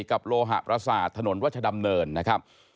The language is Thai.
กับโลหะประสาทถนนรัชดำเนินนะครับ